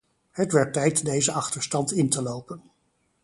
Het werd tijd deze achterstand in te lopen.